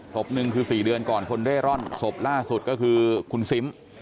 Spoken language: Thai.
ศพหนึ่งคือ๔เดือนก่อนคนเร่ร่อนศพล่าสุดก็คือคุณซิม